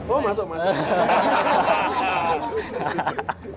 oh masuk masuk